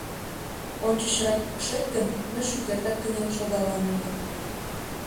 Ончычрак пукшет гын, мый шукертак кынел шогалам ыле...